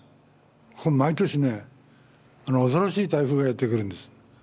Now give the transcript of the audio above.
毎年ね恐ろしい台風がやって来るんです。